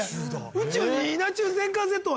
宇宙に稲中全巻セット